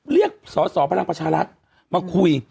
เรียกสอสอพลังประชารัฐมาคุย